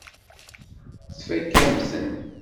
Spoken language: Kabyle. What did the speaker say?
Tfakk-am-ten.